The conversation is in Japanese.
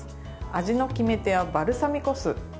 味の決め手はバルサミコ酢。